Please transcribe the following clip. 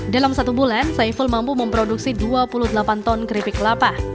dalam satu bulan saiful mampu memproduksi dua puluh delapan ton keripik kelapa